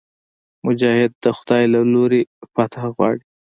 مجاهد د خدای له لورې فتحه غواړي.